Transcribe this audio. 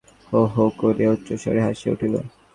হো হো করিয়া উচ্চস্বরে হাসিয়া উঠিল।